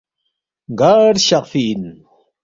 ”گار شخفی اِن؟“